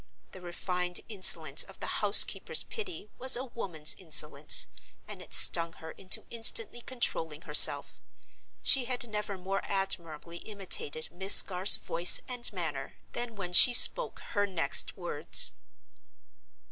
The refined insolence of the housekeeper's pity was a woman's insolence; and it stung her into instantly controlling herself. She had never more admirably imitated Miss Garth's voice and manner than when she spoke her next words.